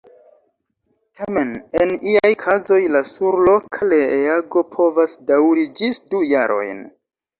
Tamen en iaj kazoj la surloka reago povas daŭri ĝis du jarojn.